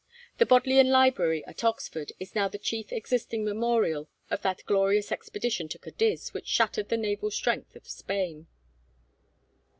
The Bodleian Library at Oxford is now the chief existing memorial of that glorious expedition to Cadiz which shattered the naval strength of Spain.